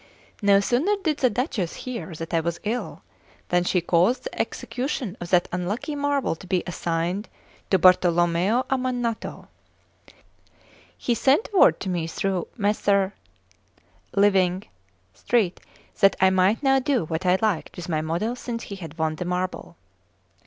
No sooner did the Duchess hear that I was ill, than she caused the execution of that unlucky marble to be assigned to Bartolommeo Ammanato. He sent word to me through Messer…. living…. Street, that I might now do what I liked with my model since he had won the marble.